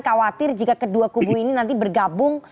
khawatir jika kedua kubu ini nanti bergabung